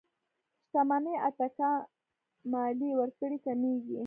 شتمنۍ اتکا ماليې ورکړې کمېږي.